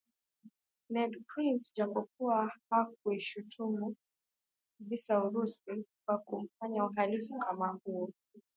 Ned Price japokuwa hakuishutumu kabisa Urusi kwa kufanya uhalifu kama huo